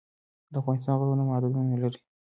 د افغانستان غرونه معدنونه لري